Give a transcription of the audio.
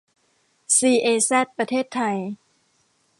ซี เอ แซด ประเทศไทย